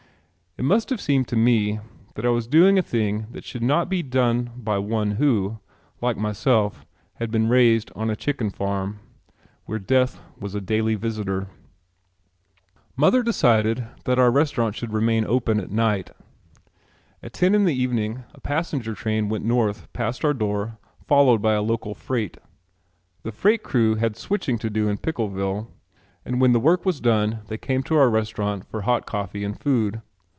It must have seemed to me that I was doing a thing that should not be done by one who, like myself, had been raised on a chicken farm where death was a daily visitor. Mother decided that our restaurant should remain open at night. At ten in the evening a passenger train went north past our door followed by a local freight. The freight crew had switching to do in Pickleville and when the work was done they came to our restaurant for hot coffee and food.